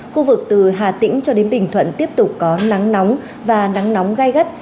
khu vực từ hà tĩnh cho đến bình thuận tiếp tục có nắng nóng và nắng nóng gai gắt